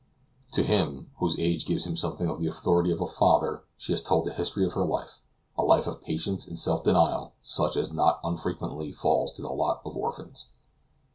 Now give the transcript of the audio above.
To him, whose age gives him something of the authority of a father, she has told the history of her life a life of patience and self denial such as not unfrequently falls to the lot of orphans.